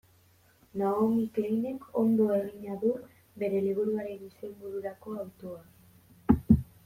Naomi Kleinek ondo egina du bere liburuaren izenbururako hautua.